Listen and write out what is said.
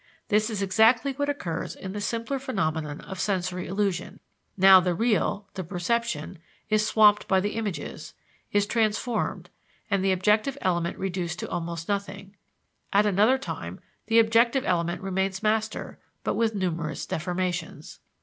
This is exactly what occurs in the simpler phenomenon of sensory illusion: now the real (the perception) is swamped by the images, is transformed, and the objective element reduced to almost nothing; at another time, the objective element remains master, but with numerous deformations.